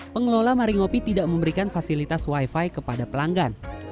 pengelola mari ngopi tidak memberikan fasilitas wifi kepada pelanggan